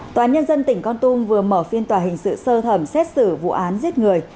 tòa nhân dân tỉnh con tum vừa mở phiên tòa hình sự sơ thẩm xét xử vụ án giết người